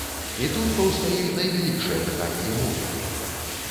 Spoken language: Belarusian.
І тут паўстае найвялікшае пытанне мовы.